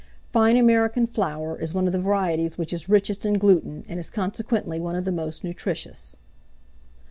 Fine American flour is one of the varieties which is richest in gluten, and is consequently one of the most nutritious.